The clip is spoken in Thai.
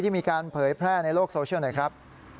มีการเผยแพร่ในโลกโซเชียลหน่อยครับ